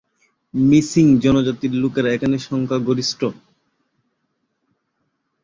Missing জনজাতির লোকেরা এখানে সংখ্যা গরিষ্ঠ।